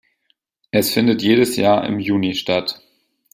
Es findet jedes Jahr im Juni statt.